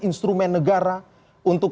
instrumen negara untuk